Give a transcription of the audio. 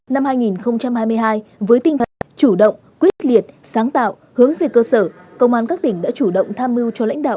năm hai nghìn hai mươi hai với tinh thần chủ động quyết liệt sáng tạo hướng về cơ sở công an các tỉnh đã chủ động tham mưu cho lãnh đạo